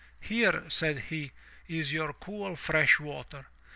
''Here/' said he, is your cool, fresh water."